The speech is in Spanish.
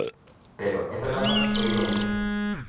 Pero esta etapa no dura mucho.